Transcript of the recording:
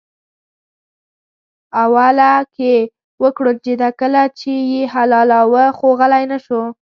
اوله کې وکوړنجېده کله چې یې حلالاوه خو غلی نه شو.